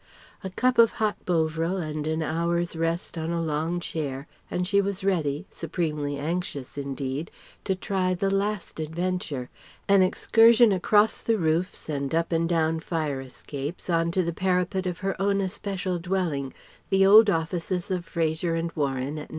A cup of hot bovril and an hour's rest on a long chair and she was ready, supremely anxious indeed, to try the last adventure: an excursion across the roofs and up and down fire escapes on to the parapet of her own especial dwelling, the old offices of Fraser and Warren at No.